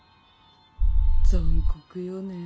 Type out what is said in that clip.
残酷よねぇ。